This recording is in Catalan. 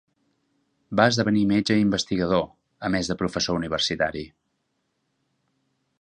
Va esdevenir metge i investigador, a més de professor universitari.